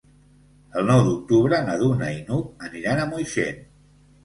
El nou d'octubre na Duna i n'Hug aniran a Moixent.